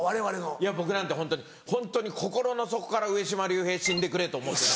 いや僕なんてホントに心の底から上島竜兵死んでくれと思ってた。